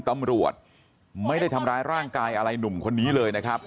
ตำรวจไม่ได้ทำร้ายร่างกายอะไรหนุ่มคนนี้เลยนะครับ